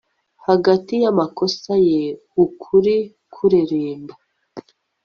hagati y'amakosa ye, ukuri kureremba